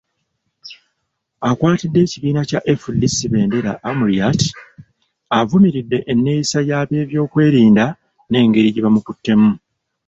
Akwatidde ekibiina kya FDC bbendera, Amuriat, avumiridde enneeyisa y'abeebyokwerinda n'engeri gye bamukuttemu.